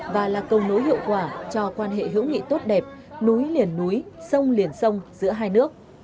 và là cầu nối hiệu quả cho quan hệ hữu nghị tốt đẹp núi liền núi sông liền sông giữa hai nước